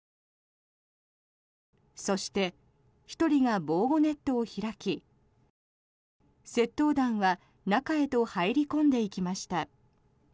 そして、１人が防護ネットを開き窃盗団は中へと入り込んでいきました。